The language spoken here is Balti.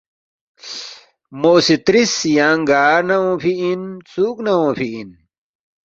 مو سی ترِس ”یانگ گار نہ اونگفی اِن؟ ژُوک نہ اونگفی اِن؟“